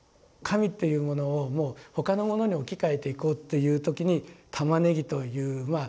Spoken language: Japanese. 神っていうものをもう他のものに置き換えていこうっていう時に「玉ねぎ」という。